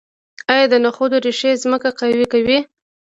آیا د نخودو ریښې ځمکه قوي کوي؟